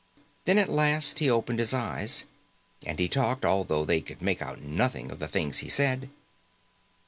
Then, at last, he opened his eyes. And he talked, although they could make out nothing of the things he said.